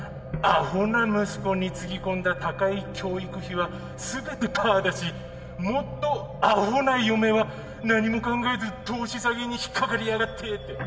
「アホな息子につぎ込んだ高い教育費は全てパアだしもっとアホな嫁は何も考えず投資詐欺に引っかかりやがってって」